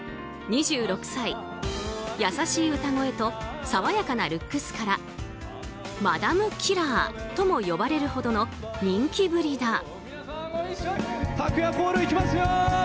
２６歳、優しい歌声と爽やかなルックスからマダムキラーとも呼ばれるほどの人気ぶりだ。